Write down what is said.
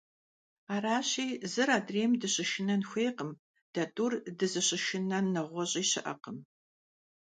Арыщи зыр адрейм дыщышынэн хуейкъым, дэ тӀур дызыщышынэн нэгъуэщӀи щыӀэкъым.